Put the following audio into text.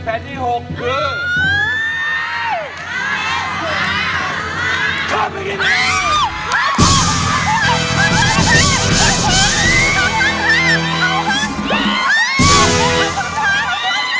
แผ่นที่๖คือ